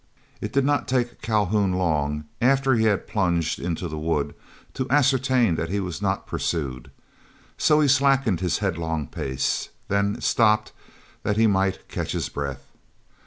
It did not take Calhoun long after he had plunged into the wood to ascertain that he was not pursued; so he slackened his headlong pace, then stopped that he might catch his breath.